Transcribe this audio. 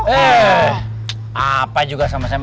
eh apa juga sama sama